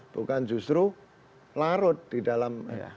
bukan justru larut di dalam